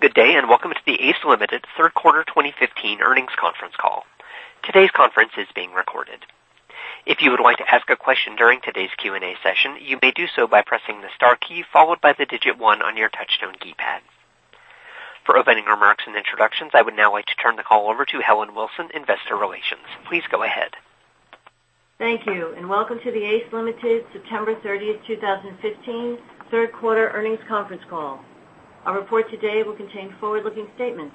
Good day. Welcome to the ACE Limited Third Quarter 2015 Earnings Conference Call. Today's conference is being recorded. If you would like to ask a question during today's Q&A session, you may do so by pressing the star key, followed by the digit 1 on your touch-tone keypad. For opening remarks and introductions, I would now like to turn the call over to Karen Beyer, Investor Relations. Please go ahead. Thank you. Welcome to the ACE Limited September 30th, 2015 third quarter earnings conference call. Our report today will contain forward-looking statements,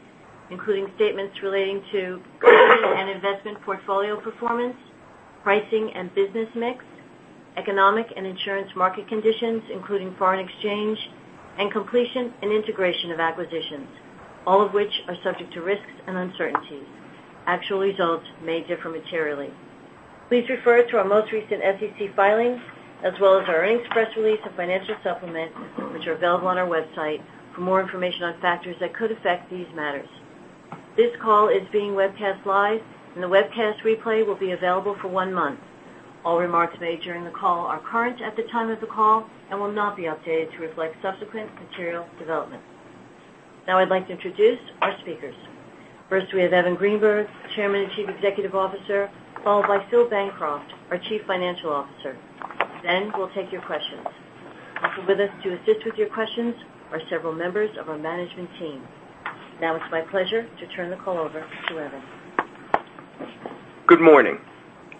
including statements relating to credit and investment portfolio performance, pricing, and business mix, economic and insurance market conditions, including foreign exchange, and completion and integration of acquisitions, all of which are subject to risks and uncertainties. Actual results may differ materially. Please refer to our most recent SEC filings, as well as our earnings press release and financial supplement, which are available on our website for more information on factors that could affect these matters. This call is being webcast live, and the webcast replay will be available for one month. All remarks made during the call are current at the time of the call and will not be updated to reflect subsequent material developments. I'd like to introduce our speakers. First, we have Evan Greenberg, Chairman and Chief Executive Officer, followed by Philip Bancroft, our Chief Financial Officer. We'll take your questions. Also with us to assist with your questions are several members of our management team. It's my pleasure to turn the call over to Evan. Good morning.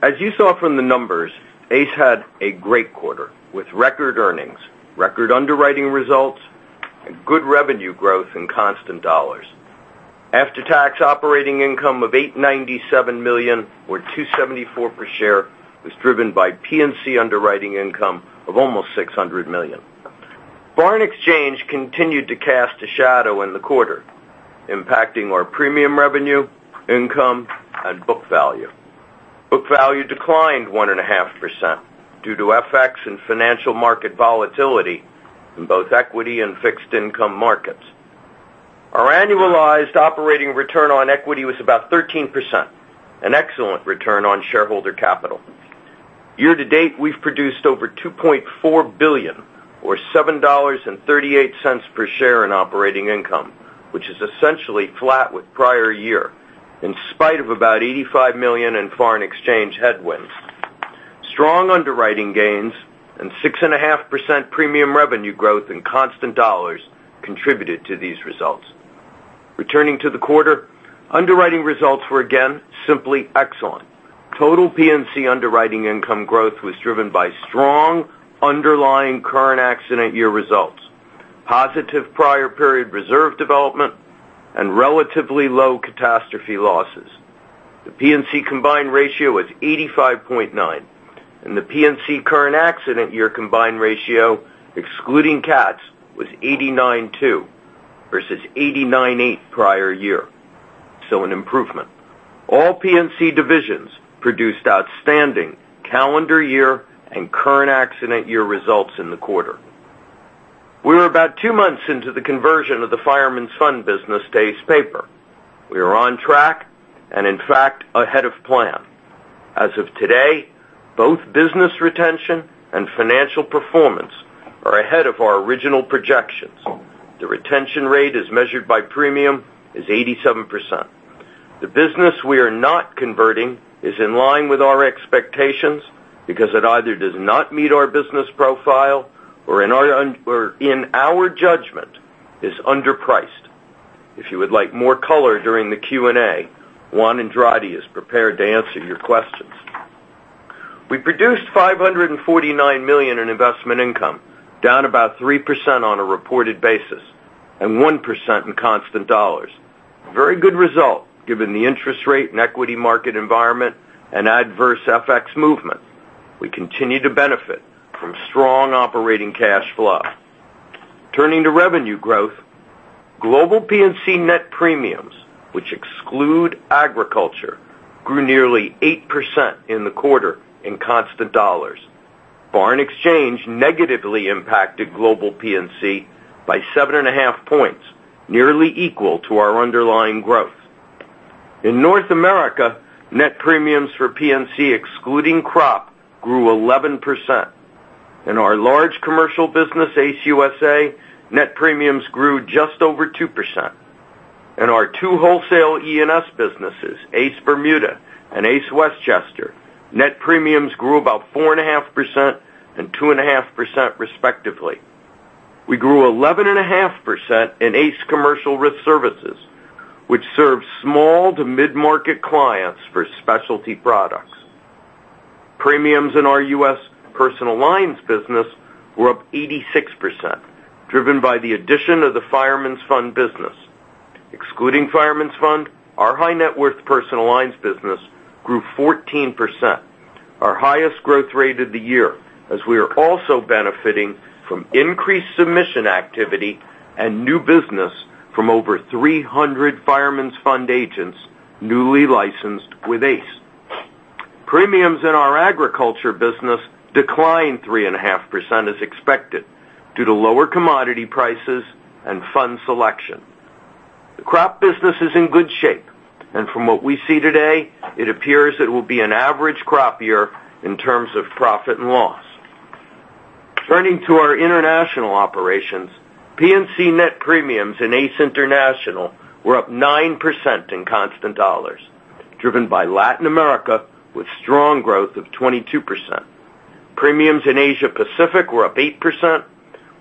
As you saw from the numbers, ACE had a great quarter, with record earnings, record underwriting results, and good revenue growth in constant dollars. After-tax operating income of $897 million, or $2.74 per share, was driven by P&C underwriting income of almost $600 million. Foreign exchange continued to cast a shadow in the quarter, impacting our premium revenue, income, and book value. Book value declined 1.5% due to FX and financial market volatility in both equity and fixed income markets. Our annualized operating return on equity was about 13%, an excellent return on shareholder capital. Year to date, we've produced over $2.4 billion, or $7.38 per share in operating income, which is essentially flat with prior year, in spite of about $85 million in foreign exchange headwinds. Strong underwriting gains and 6.5% premium revenue growth in constant dollars contributed to these results. Returning to the quarter, underwriting results were again simply excellent. Total P&C underwriting income growth was driven by strong underlying current accident year results, positive prior period reserve development, and relatively low catastrophe losses. The P&C combined ratio was 85.9, and the P&C current accident year combined ratio, excluding cats, was 89.2 versus 89.8 prior year. An improvement. All P&C divisions produced outstanding calendar year and current accident year results in the quarter. We were about two months into the conversion of the Fireman's Fund business to ACE Paper. We are on track and, in fact, ahead of plan. As of today, both business retention and financial performance are ahead of our original projections. The retention rate, as measured by premium, is 87%. The business we are not converting is in line with our expectations because it either does not meet our business profile or in our judgment is underpriced. If you would like more color during the Q&A, Juan Andrade is prepared to answer your questions. We produced $549 million in investment income, down about 3% on a reported basis and 1% in constant dollars. A very good result given the interest rate and equity market environment and adverse FX movement. We continue to benefit from strong operating cash flow. Turning to revenue growth, global P&C net premiums, which exclude agriculture, grew nearly 8% in the quarter in constant dollars. Foreign exchange negatively impacted global P&C by 7.5 points, nearly equal to our underlying growth. In North America, net premiums for P&C, excluding crop, grew 11%. In our large commercial business, ACE USA, net premiums grew just over 2%. In our two wholesale E&S businesses, ACE Bermuda and ACE Westchester, net premiums grew about 4.5% and 2.5% respectively. We grew 11.5% in ACE Commercial Risk Services, which serves small to mid-market clients for specialty products. Premiums in our U.S. personal lines business were up 86%, driven by the addition of the Fireman's Fund business. Excluding Fireman's Fund, our high net worth personal lines business grew 14%, our highest growth rate of the year, as we are also benefiting from increased submission activity and new business from over 300 Fireman's Fund agents newly licensed with ACE. Premiums in our agriculture business declined 3.5% as expected, due to lower commodity prices and fund selection. The crop business is in good shape, and from what we see today, it appears it will be an average crop year in terms of profit and loss. Turning to our international operations, P&C net premiums in ACE International were up 9% in constant dollars, driven by Latin America with strong growth of 22%. Premiums in Asia Pacific were up 8%,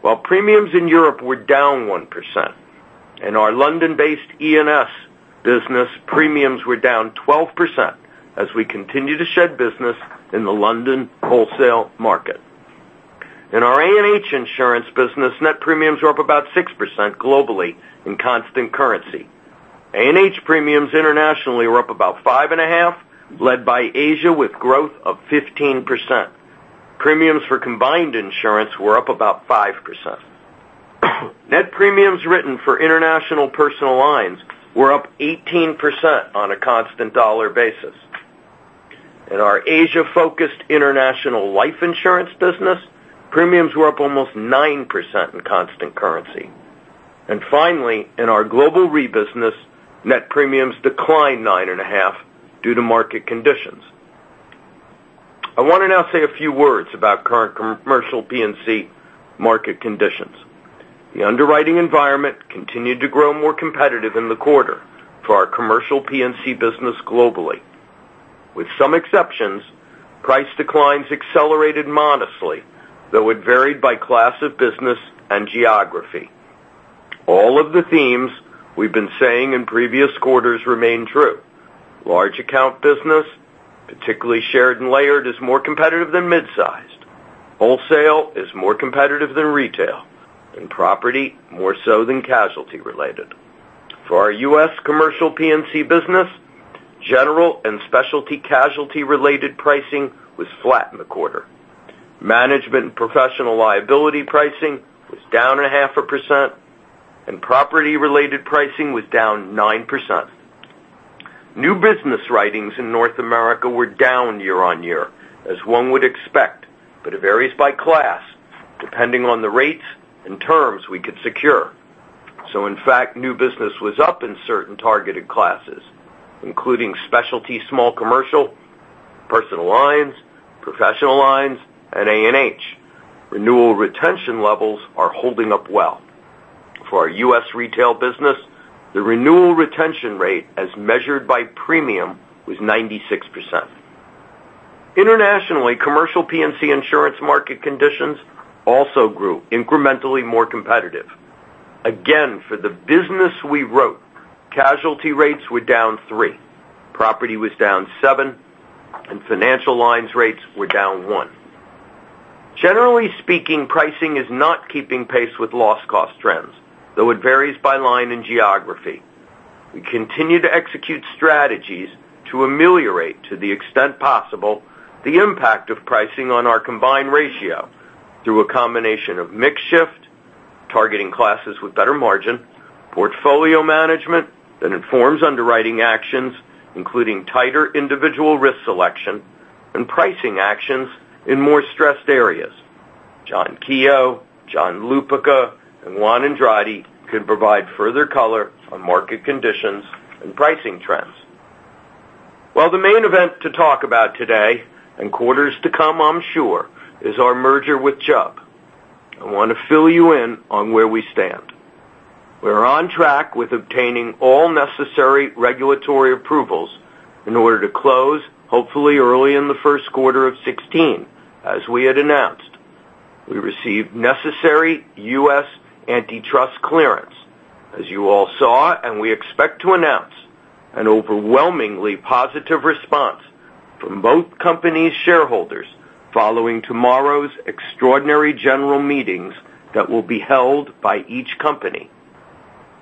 while premiums in Europe were down 1%. In our London-based E&S business, premiums were down 12% as we continue to shed business in the London wholesale market. In our A&H insurance business, net premiums were up about 6% globally in constant currency. A&H premiums internationally were up about 5.5%, led by Asia with growth of 15%. Premiums for combined insurance were up about 5%. Net premiums written for international personal lines were up 18% on a constant dollar basis. In our Asia-focused international life insurance business, premiums were up almost 9% in constant currency. Finally, in our global re-business, net premiums declined 9.5% due to market conditions. I want to now say a few words about current commercial P&C market conditions. The underwriting environment continued to grow more competitive in the quarter for our commercial P&C business globally. With some exceptions, price declines accelerated modestly, though it varied by class of business and geography. All of the themes we've been saying in previous quarters remain true. Large account business, particularly shared and layered, is more competitive than mid-sized. Wholesale is more competitive than retail, and property more so than casualty related. For our U.S. commercial P&C business, general and specialty casualty related pricing was flat in the quarter. Management professional liability pricing was down 0.5%, and property related pricing was down 9%. New business writings in North America were down year-over-year, as one would expect, it varies by class depending on the rates and terms we could secure. In fact, new business was up in certain targeted classes, including specialty small commercial, personal lines, professional lines, and A&H. Renewal retention levels are holding up well. For our U.S. retail business, the renewal retention rate as measured by premium was 96%. Internationally, commercial P&C insurance market conditions also grew incrementally more competitive. Again, for the business we wrote, casualty rates were down 3%, property was down 7%, and financial lines rates were down 1%. Generally speaking, pricing is not keeping pace with loss cost trends, though it varies by line and geography. We continue to execute strategies to ameliorate, to the extent possible, the impact of pricing on our combined ratio through a combination of mix shift, targeting classes with better margin, portfolio management that informs underwriting actions, including tighter individual risk selection and pricing actions in more stressed areas. John Keogh, John Lupica, and Juan Andrade could provide further color on market conditions and pricing trends. Well, the main event to talk about today and quarters to come, I'm sure, is our merger with Chubb. I want to fill you in on where we stand. We're on track with obtaining all necessary regulatory approvals in order to close, hopefully early in the first quarter of 2016, as we had announced. We received necessary U.S. antitrust clearance, as you all saw, we expect to announce an overwhelmingly positive response from both companies' shareholders following tomorrow's extraordinary general meetings that will be held by each company.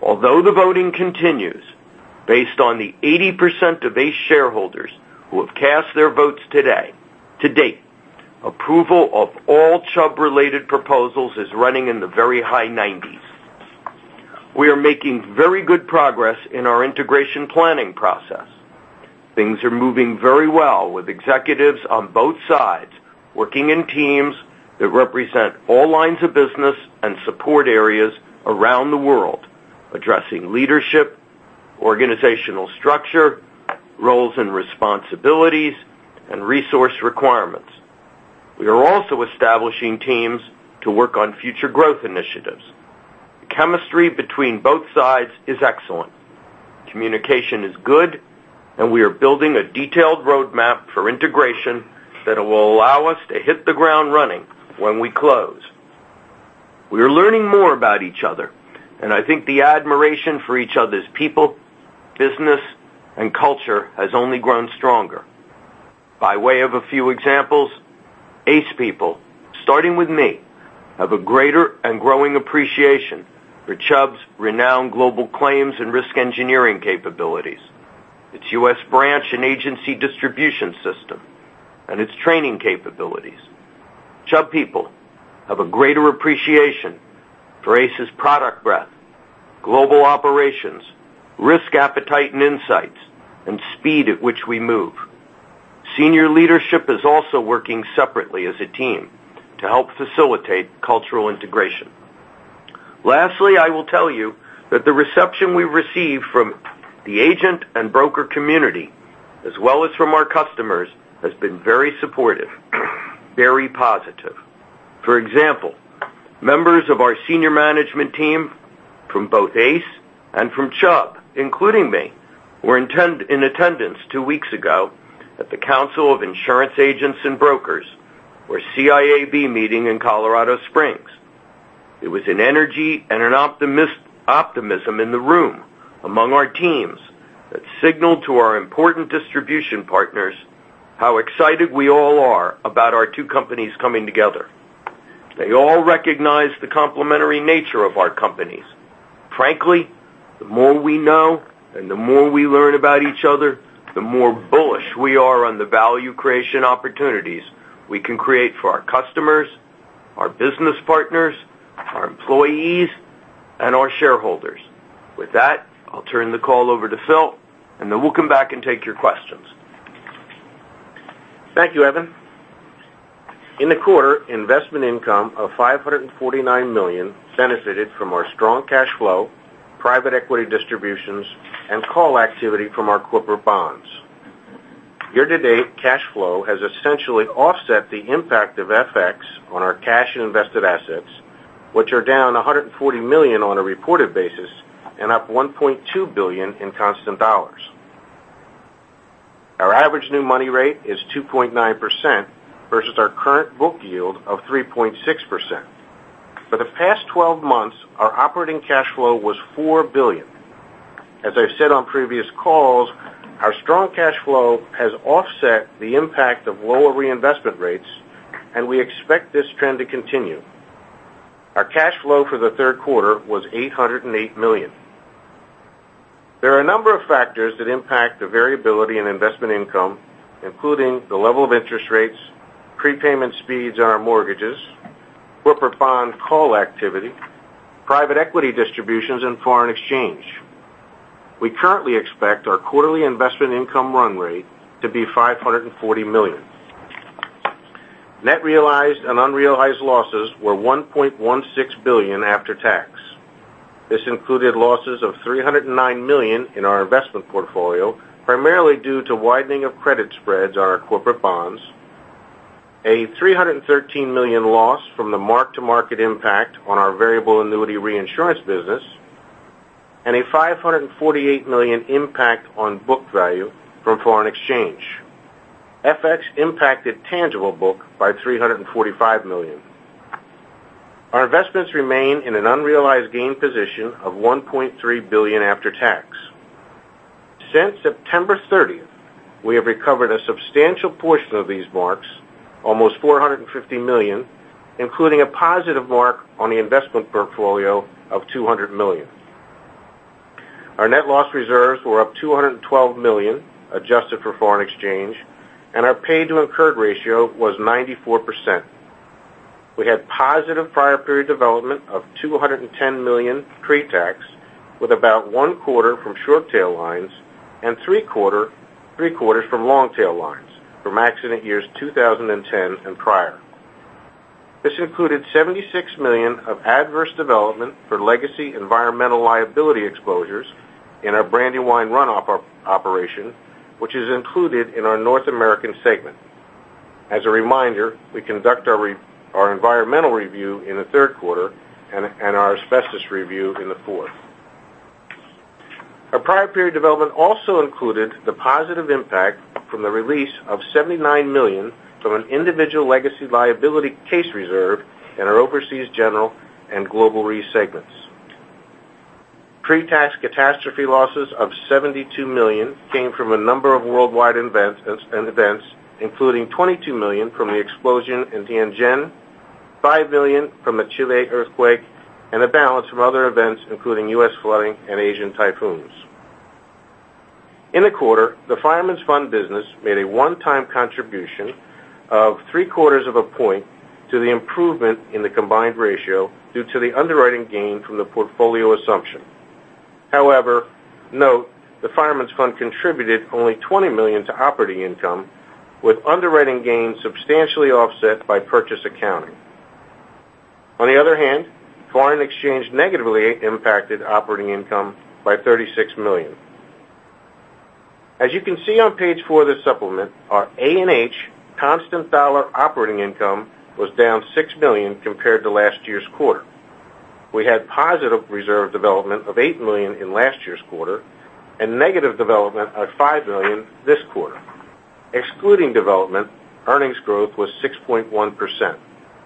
Although the voting continues, based on the 80% of ACE shareholders who have cast their votes today, to date, approval of all Chubb-related proposals is running in the very high 90s. We are making very good progress in our integration planning process. Things are moving very well with executives on both sides working in teams that represent all lines of business and support areas around the world, addressing leadership, organizational structure, roles and responsibilities, and resource requirements. We are also establishing teams to work on future growth initiatives. The chemistry between both sides is excellent. Communication is good, we are building a detailed roadmap for integration that will allow us to hit the ground running when we close. We are learning more about each other, I think the admiration for each other's people, business, and culture has only grown stronger. By way of a few examples, ACE people, starting with me, have a greater and growing appreciation for Chubb's renowned global claims and risk engineering capabilities, its U.S. branch and agency distribution system, and its training capabilities. Chubb people have a greater appreciation for ACE's product breadth, global operations, risk appetite and insights, and speed at which we move. Senior leadership is also working separately as a team to help facilitate cultural integration. Lastly, I will tell you that the reception we've received from the agent and broker community, as well as from our customers, has been very supportive, very positive. For example, members of our senior management team from both ACE and from Chubb, including me, were in attendance two weeks ago at The Council of Insurance Agents & Brokers, or CIAB meeting in Colorado Springs. It was an energy and an optimism in the room among our teams that signaled to our important distribution partners how excited we all are about our two companies coming together. They all recognize the complementary nature of our companies. Frankly, the more we know and the more we learn about each other, the more bullish we are on the value creation opportunities we can create for our customers, our business partners, our employees, and our shareholders. With that, I'll turn the call over to Phil, and then we'll come back and take your questions. Thank you, Evan. In the quarter, investment income of $549 million benefited from our strong cash flow, private equity distributions, and call activity from our corporate bonds. Year-to-date, cash flow has essentially offset the impact of FX on our cash and invested assets, which are down $140 million on a reported basis and up $1.2 billion in constant dollars. Our average new money rate is 2.9% versus our current book yield of 3.6%. For the past 12 months, our operating cash flow was $4 billion. As I've said on previous calls, our strong cash flow has offset the impact of lower reinvestment rates, and we expect this trend to continue. Our cash flow for the third quarter was $808 million. There are a number of factors that impact the variability in investment income, including the level of interest rates, prepayment speeds on our mortgages, corporate bond call activity, private equity distributions, and foreign exchange. We currently expect our quarterly investment income run rate to be $540 million. Net realized and unrealized losses were $1.16 billion after tax. This included losses of $309 million in our investment portfolio, primarily due to widening of credit spreads on our corporate bonds, a $313 million loss from the mark-to-market impact on our variable annuity reinsurance business, and a $548 million impact on book value from foreign exchange. FX impacted tangible book by $345 million. Our investments remain in an unrealized gain position of $1.3 billion after tax. Since September 30th, we have recovered a substantial portion of these marks, almost $450 million, including a positive mark on the investment portfolio of $200 million. Our net loss reserves were up $212 million, adjusted for foreign exchange, and our paid to incurred ratio was 94%. We had positive prior period development of $210 million pretax, with about one quarter from short tail lines and three quarters from long tail lines from accident years 2010 and prior. This included $76 million of adverse development for legacy environmental liability exposures in our Brandywine runoff operation, which is included in our North American segment. As a reminder, we conduct our environmental review in the third quarter and our asbestos review in the fourth. Our prior period development also included the positive impact from the release of $79 million from an individual legacy liability case reserve in our Overseas General and Global Re segments. Pretax catastrophe losses of $72 million came from a number of worldwide events, including $22 million from the explosion in Tianjin, $5 million from the Chile earthquake, and the balance from other events, including U.S. flooding and Asian typhoons. In the quarter, the Fireman's Fund business made a one-time contribution of three quarters of a point to the improvement in the combined ratio due to the underwriting gain from the portfolio assumption. Note, the Fireman's Fund contributed only $20 million to operating income, with underwriting gains substantially offset by purchase accounting. On the other hand, foreign exchange negatively impacted operating income by $36 million. As you can see on page four of the supplement, our A&H constant dollar operating income was down $6 million compared to last year's quarter. We had positive reserve development of $8 million in last year's quarter and negative development of $5 million this quarter. Excluding development, earnings growth was 6.1%.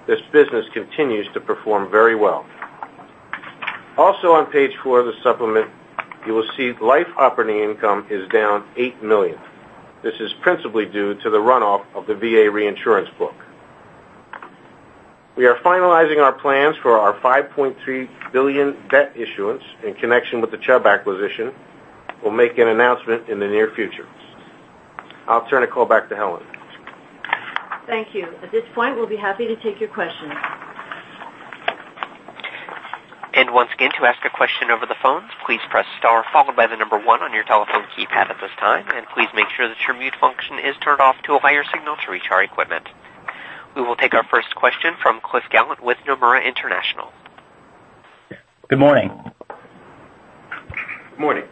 This business continues to perform very well. Also on page four of the supplement, you will see life operating income is down $8 million. This is principally due to the runoff of the VA reinsurance book. We are finalizing our plans for our $5.3 billion debt issuance in connection with the Chubb acquisition. We will make an announcement in the near future. I will turn the call back to Helen. Thank you. At this point, we will be happy to take your questions. Once again, to ask a question over the phone, please press star followed by the number 1 on your telephone keypad at this time, and please make sure that your mute function is turned off to allow a higher signal to reach our equipment. We will take our first question from Cliff Gallant with Nomura International. Good morning. Good morning.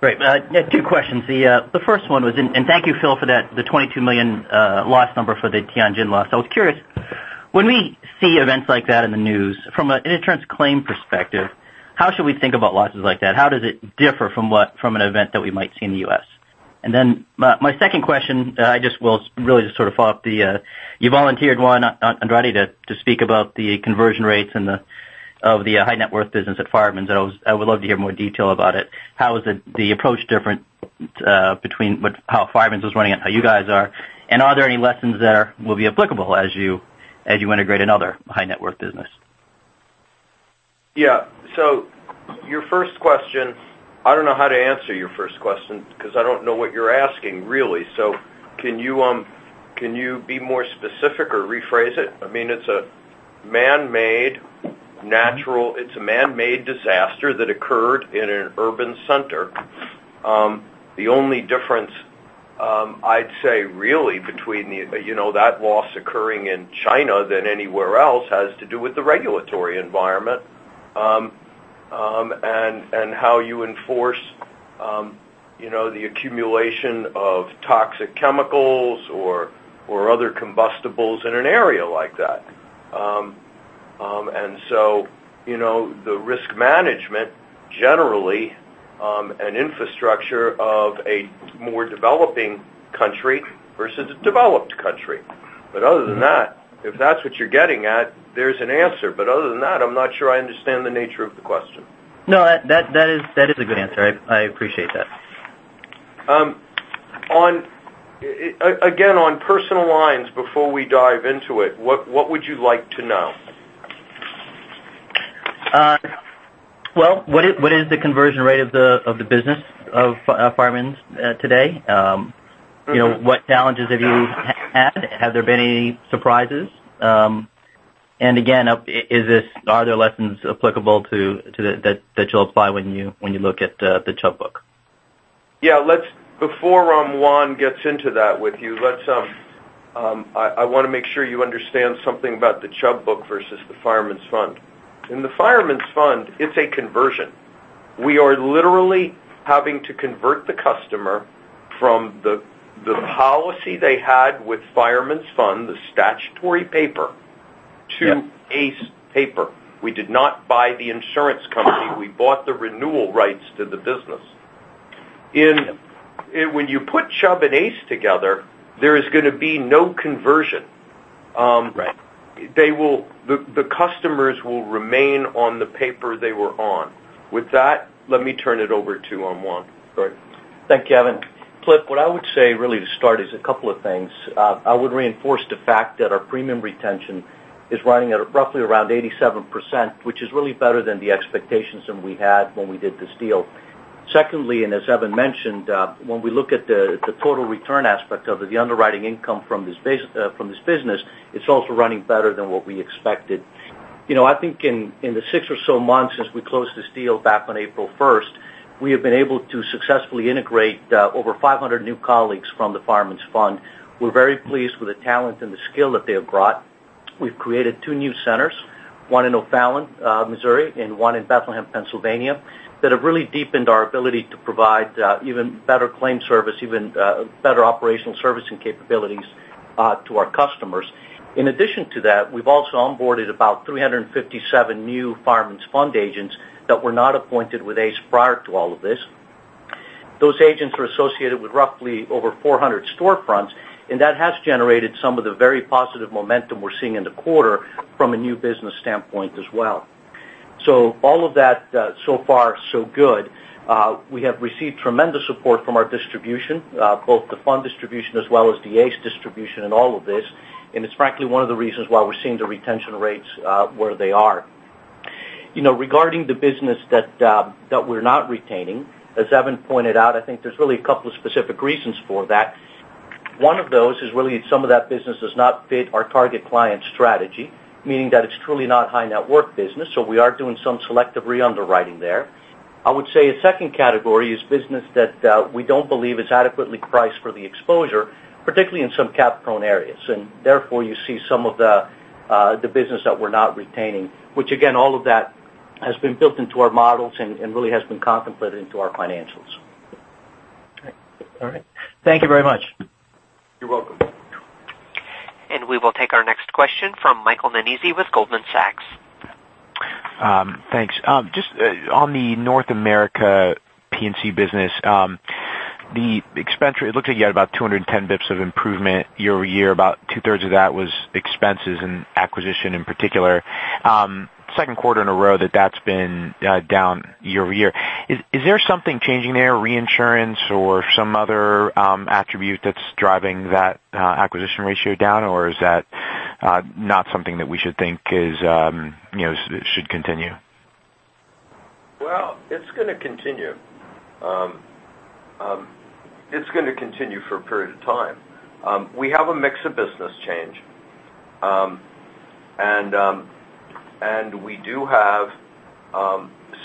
Great. I have two questions. The first one was, thank you, Phil, for the $22 million loss number for the Tianjin loss. I was curious, when we see events like that in the news, from an insurance claim perspective, how should we think about losses like that? How does it differ from an event that we might see in the U.S.? Then my second question, I will really just sort of follow up. You volunteered Juan Andrade to speak about the conversion rates of the high net worth business at Fireman's. I would love to hear more detail about it. How is the approach different between how Fireman's was running it, how you guys are, and are there any lessons there will be applicable as you integrate another high net worth business? Yeah. Your first question, I don't know how to answer your first question because I don't know what you're asking, really. Can you be more specific or rephrase it? It's a man-made disaster that occurred in an urban center. The only difference, I'd say really between that loss occurring in China than anywhere else has to do with the regulatory environment, and how you enforce the accumulation of toxic chemicals or other combustibles in an area like that. The risk management, generally, an infrastructure of a more developing country versus a developed country. Other than that, if that's what you're getting at, there's an answer. Other than that, I'm not sure I understand the nature of the question. No, that is a good answer. I appreciate that. Again, on personal lines, before we dive into it, what would you like to know? Well, what is the conversion rate of the business of Fireman's today? What challenges have you had? Have there been any surprises? Again, are there lessons applicable to that you'll apply when you look at the Chubb book? Yeah. Before Juan gets into that with you, I want to make sure you understand something about the Chubb book versus the Fireman's Fund. In the Fireman's Fund, it's a conversion. We are literally having to convert the customer from the policy they had with Fireman's Fund, the statutory paper, to ACE Paper. We did not buy the insurance company, we bought the renewal rights to the business. When you put Chubb and ACE together, there is going to be no conversion. Right. The customers will remain on the paper they were on. With that, let me turn it over to Juan. Go ahead. Thank you, Evan. Cliff, what I would say really to start is a couple of things. I would reinforce the fact that our premium retention is running at roughly around 87%, which is really better than the expectations than we had when we did this deal. Secondly, as Evan mentioned, when we look at the total return aspect of the underwriting income from this business, it's also running better than what we expected. I think in the six or so months since we closed this deal back on April 1st, we have been able to successfully integrate over 500 new colleagues from the Fireman's Fund. We're very pleased with the talent and the skill that they have brought. We've created two new centers, one in O'Fallon, Missouri, and one in Bethlehem, Pennsylvania, that have really deepened our ability to provide even better claim service, even better operational servicing capabilities to our customers. In addition to that, we've also onboarded about 357 new Fireman's Fund agents that were not appointed with ACE prior to all of this. Those agents were associated with roughly over 400 storefronts. That has generated some of the very positive momentum we're seeing in the quarter from a new business standpoint as well. All of that, so far, so good. We have received tremendous support from our distribution, both the Fund distribution as well as the ACE distribution in all of this, and it's frankly one of the reasons why we're seeing the retention rates where they are. Regarding the business that we're not retaining, as Evan pointed out, I think there's really a couple of specific reasons for that. One of those is really some of that business does not fit our target client strategy, meaning that it's truly not high net worth business, so we are doing some selective re-underwriting there. I would say a second category is business that we don't believe is adequately priced for the exposure, particularly in some cat prone areas. Therefore, you see some of the business that we're not retaining, which again, all of that has been built into our models and really has been contemplated into our financials. All right. Thank you very much. You're welcome. We will take our next question from Michael Nannizzi with Goldman Sachs. Thanks. Just on the North America P&C business. The expenditure, it looks like you had about 210 basis points of improvement year-over-year. About two-thirds of that was expenses and acquisition in particular. Second quarter in a row that that's been down year-over-year. Is there something changing there, reinsurance or some other attribute that's driving that acquisition ratio down, or is that not something that we should think should continue? Well, it's going to continue. It's going to continue for a period of time. We have a mix of business change. We do have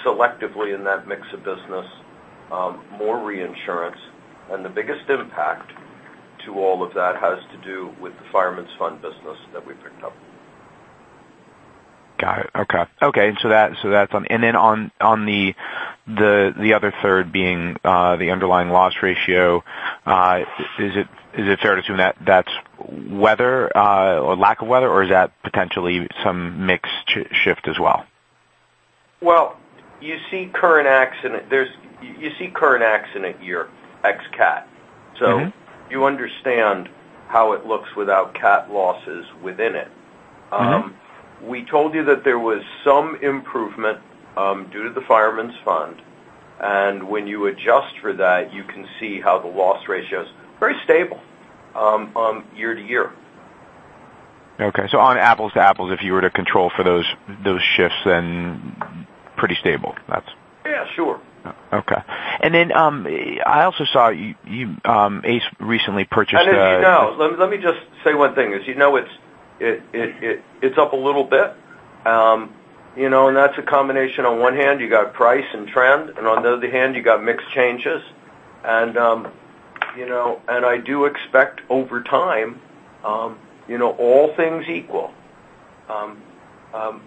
selectively in that mix of business, more reinsurance. The biggest impact to all of that has to do with the Fireman's Fund business that we picked up. Got it. Okay. Okay. On the other third being the underlying loss ratio, is it fair to assume that's weather or lack of weather, or is that potentially some mix shift as well? Well, you see current accident year, ex cat. You understand how it looks without cat losses within it. We told you that there was some improvement due to the Fireman's Fund, and when you adjust for that, you can see how the loss ratio's very stable year to year. Okay. On apples to apples, if you were to control for those shifts, then pretty stable. Yeah, sure. Okay. I also saw ACE recently purchased. Let me just say one thing. As you know, it's up a little bit. That's a combination, on one hand, you got price and trend, and on the other hand, you got mix changes. I do expect over time, all things equal,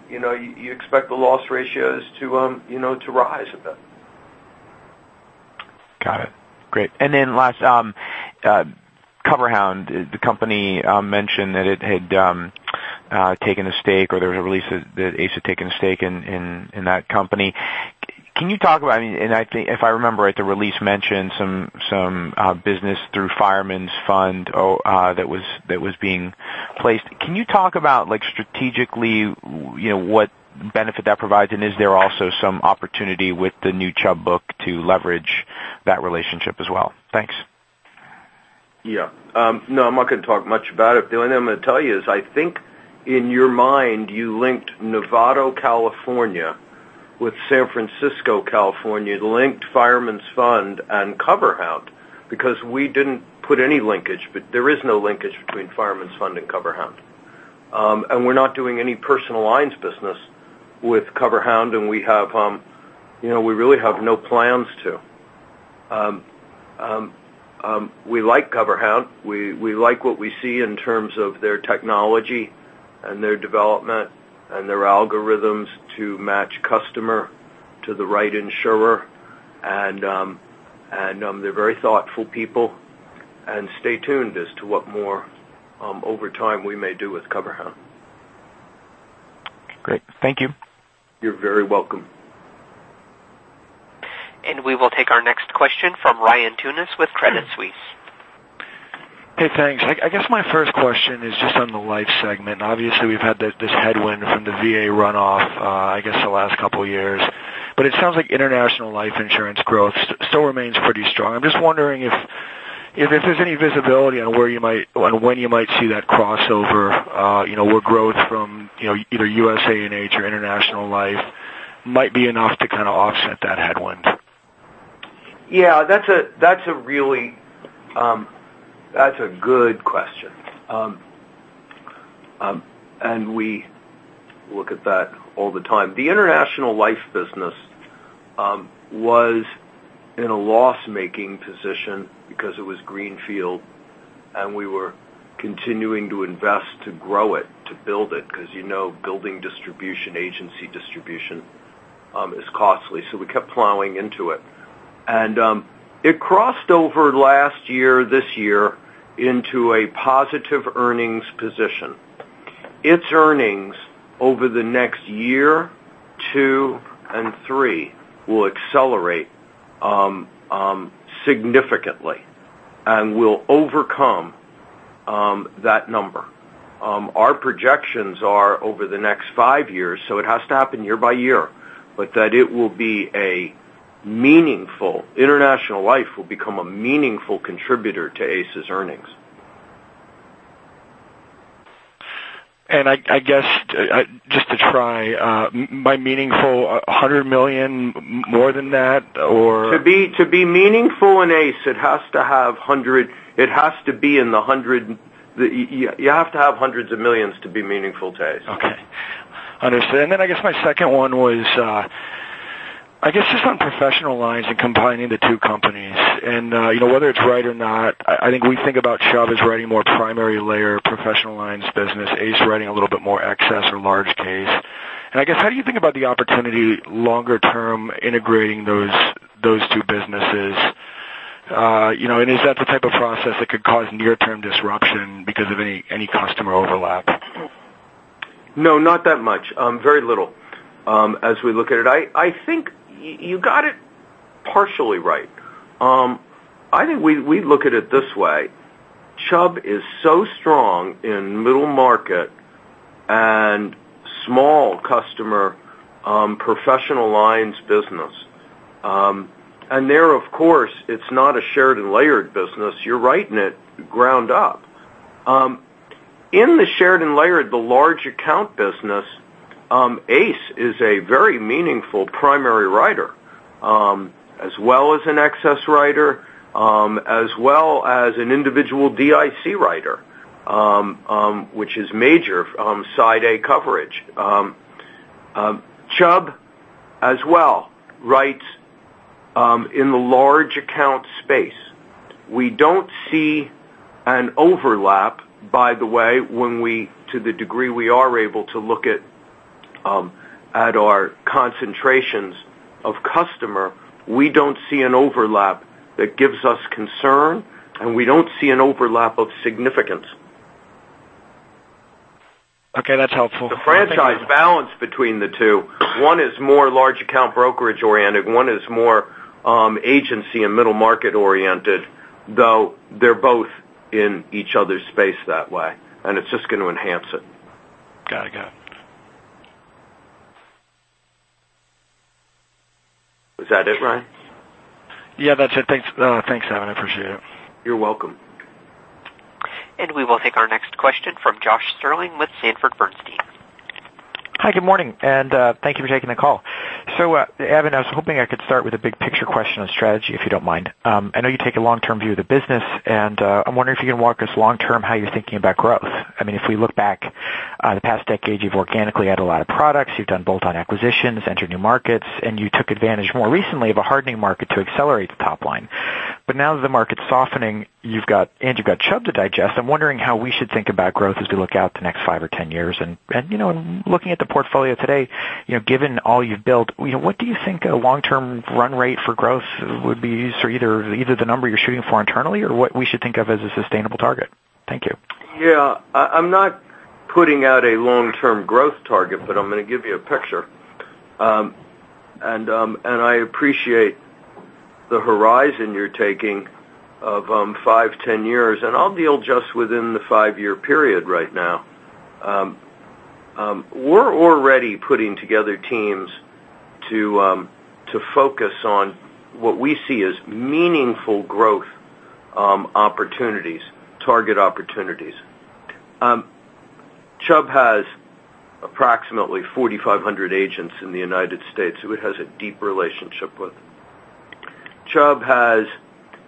you expect the loss ratios to rise a bit. Got it. Great. Last, CoverHound, the company mentioned that it had taken a stake or there was a release that ACE had taken a stake in that company. If I remember right, the release mentioned some business through Fireman's Fund that was being placed. Can you talk about strategically, what benefit that provides? Is there also some opportunity with the new Chubb book to leverage that relationship as well? Thanks. Yeah. No, I'm not going to talk much about it. The only thing I'm going to tell you is, I think in your mind, you linked Novato, California with San Francisco, California, linked Fireman's Fund and CoverHound because we didn't put any linkage. There is no linkage between Fireman's Fund and CoverHound. We're not doing any personal lines business with CoverHound, and we really have no plans to. We like CoverHound. We like what we see in terms of their technology and their development and their algorithms to match customer to the right insurer. They're very thoughtful people. Stay tuned as to what more, over time, we may do with CoverHound. Great. Thank you. You're very welcome. We will take our next question from Ryan Tunis with Credit Suisse. Hey, thanks. I guess my first question is just on the life segment. Obviously, we've had this headwind from the VA runoff, I guess the last couple of years. It sounds like international life insurance growth still remains pretty strong. I'm just wondering if there's any visibility on when you might see that crossover where growth from either USAA or International Life might be enough to kind of offset that headwind. Yeah, that's a good question. We look at that all the time. The International Life business was in a loss-making position because it was greenfield, and we were continuing to invest to grow it, to build it, because building distribution, agency distribution, is costly, so we kept plowing into it. It crossed over last year, this year, into a positive earnings position. Its earnings over the next year, two, and three will accelerate significantly and will overcome that number. Our projections are over the next five years, so it has to happen year by year. That International Life will become a meaningful contributor to ACE's earnings. I guess, just to try, by meaningful, $100 million, more than that, or? To be meaningful in ACE, you have to have $hundreds of millions to be meaningful to ACE. Okay. Understood. I guess my second one was, I guess, just on professional lines and combining the two companies. Whether it's right or not, I think we think about Chubb as writing more primary layer professional lines business, ACE writing a little bit more excess or large case. I guess, how do you think about the opportunity longer term integrating those two businesses? Is that the type of process that could cause near-term disruption because of any customer overlap? No, not that much. Very little as we look at it. I think you got it partially right. I think we look at it this way. Chubb is so strong in middle market and small customer professional lines business. There, of course, it's not a shared and layered business. You're writing it ground up. In the shared and layered, the large account business ACE is a very meaningful primary writer, as well as an excess writer, as well as an individual DIC writer, which is major Side A coverage. Chubb as well writes in the large account space. We don't see an overlap, by the way, to the degree we are able to look at our concentrations of customer. We don't see an overlap that gives us concern, and we don't see an overlap of significance. Okay. That's helpful. The franchise balance between the two, one is more large account brokerage oriented, one is more agency and middle market oriented, though they're both in each other's space that way, and it's just going to enhance it. Got it. Was that it, Ryan? Yeah, that's it. Thanks, Evan. I appreciate it. You're welcome. We will take our next question from Josh Stirling with Sanford C. Bernstein. Hi, good morning, and thank you for taking the call. Evan, I was hoping I could start with a big picture question on strategy, if you don't mind. I know you take a long-term view of the business, and I'm wondering if you can walk us long-term how you're thinking about growth. If we look back the past decade, you've organically had a lot of products. You've done bolt-on acquisitions, entered new markets, and you took advantage more recently of a hardening market to accelerate the top line. Now that the market's softening and you've got Chubb to digest, I'm wondering how we should think about growth as we look out the next 5 or 10 years. Looking at the portfolio today, given all you've built, what do you think a long-term run rate for growth would be? Either the number you're shooting for internally or what we should think of as a sustainable target. Thank you. Yeah. I'm not putting out a long-term growth target, but I'm going to give you a picture. I appreciate the horizon you're taking of 5, 10 years, and I'll deal just within the five-year period right now. We're already putting together teams to focus on what we see as meaningful growth opportunities, target opportunities. Chubb has approximately 4,500 agents in the U.S. who it has a deep relationship with. Chubb has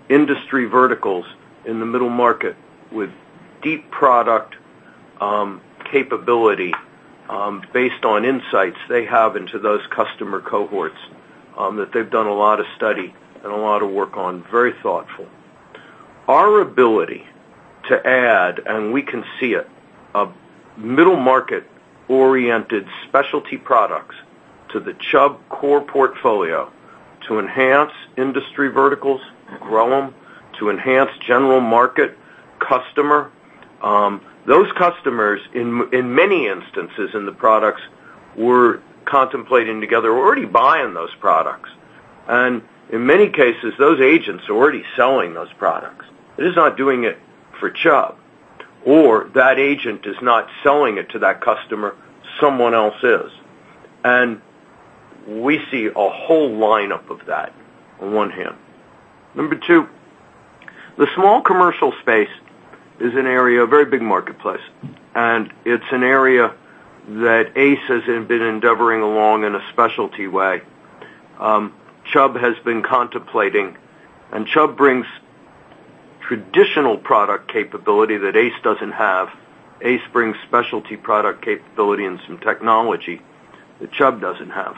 industry verticals in the middle market with deep product capability based on insights they have into those customer cohorts that they've done a lot of study and a lot of work on, very thoughtful. Our ability to add, and we can see it, middle-market oriented specialty products to the Chubb core portfolio to enhance industry verticals, grow them, to enhance general market customer. Those customers, in many instances in the products we're contemplating together, are already buying those products. In many cases, those agents are already selling those products. It is not doing it for Chubb, or that agent is not selling it to that customer, someone else is. We see a whole lineup of that on one hand. Number 2, the small commercial space is an area, a very big marketplace, and it's an area that ACE has been endeavoring along in a specialty way. Chubb has been contemplating, and Chubb brings traditional product capability that ACE doesn't have. ACE brings specialty product capability and some technology that Chubb doesn't have.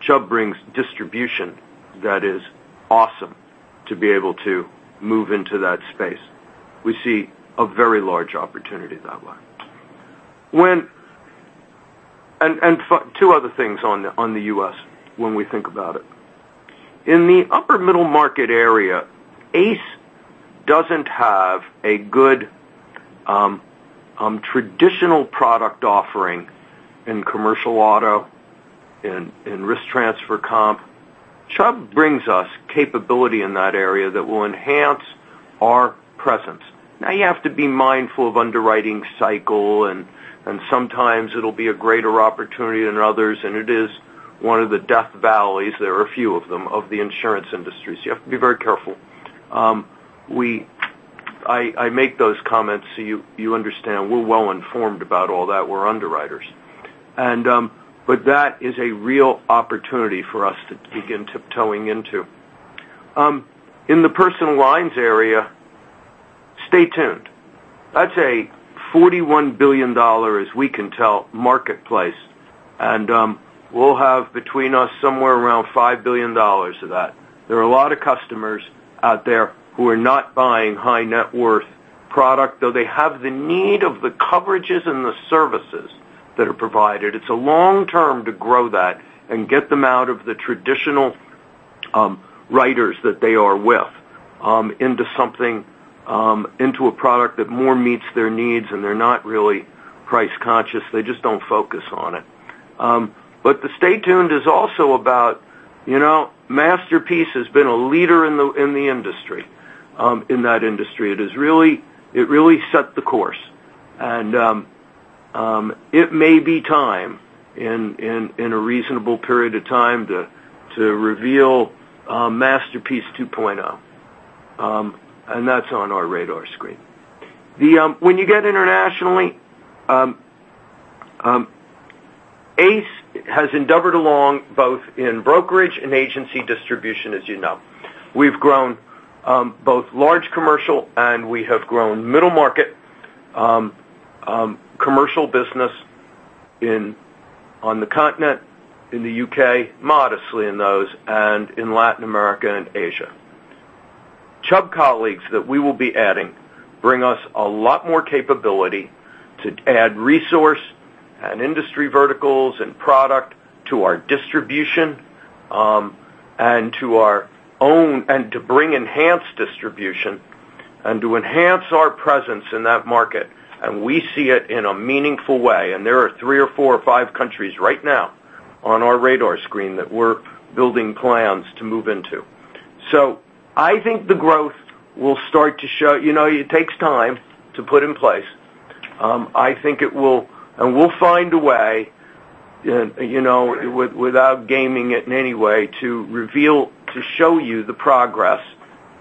Chubb brings distribution that is awesome to be able to move into that space. We see a very large opportunity that way. Two other things on the U.S. when we think about it. In the upper middle market area, ACE doesn't have a good traditional product offering in commercial auto, in risk transfer comp. Chubb brings us capability in that area that will enhance our presence. You have to be mindful of underwriting cycle, sometimes it'll be a greater opportunity than others, it is one of the death valleys, there are a few of them, of the insurance industries. You have to be very careful. I make those comments so you understand we're well-informed about all that. We're underwriters. That is a real opportunity for us to begin tiptoeing into. In the personal lines area, stay tuned. That's a $41 billion, as we can tell, marketplace, and we'll have between us somewhere around $5 billion of that. There are a lot of customers out there who are not buying high net worth product, though they have the need of the coverages and the services that are provided. It's a long term to grow that and get them out of the traditional writers that they are with into a product that more meets their needs, and they're not really price conscious. They just don't focus on it. The stay tuned is also about Masterpiece has been a leader in that industry. It really set the course. It may be time, in a reasonable period of time, to reveal Masterpiece 2.0. That's on our radar screen. When you get internationally, ACE has endeavored along both in brokerage and agency distribution, as you know. We've grown both large commercial and we have grown middle market commercial business on the continent, in the U.K., modestly in those, and in Latin America and Asia. Chubb colleagues that we will be adding bring us a lot more capability to add resource and industry verticals and product to our distribution, to bring enhanced distribution and to enhance our presence in that market. We see it in a meaningful way. There are three or four or five countries right now on our radar screen that we're building plans to move into. I think the growth will start to show. It takes time to put in place. We'll find a way without gaming it in any way to show you the progress.